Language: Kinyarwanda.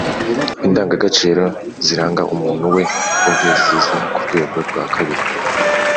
Indangagaciro ziranga umuntu we ubwe ziza ku rwego rwa kabiri